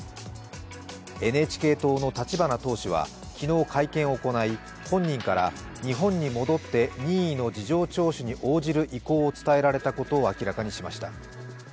ＮＨＫ党の立花党首は昨日、会見を行い本人から日本に戻って任意の事情聴取に応じる意向を伝えられたことを明らかにしました。